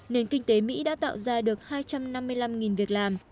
nền kinh tế mỹ đã tạo ra được hai trăm năm mươi năm việc làm